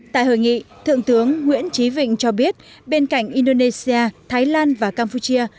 tại hội nghị thượng tướng nguyễn trí vịnh cho biết bên cạnh indonesia thái lan và campuchia